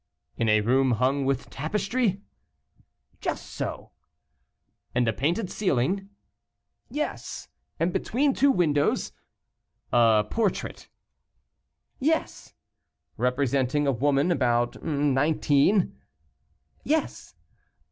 "In a room hung with tapestry?" "Just so." "And a painted ceiling?" "Yes, and between two windows " "A portrait?" "Yes." "Representing a woman about nineteen?" "Yes."